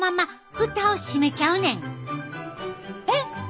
えっ？